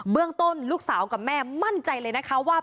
เรื่องต้นลูกสาวกับแม่มั่นใจเลยนะคะว่า